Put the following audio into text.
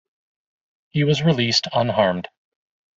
He was released unharmed.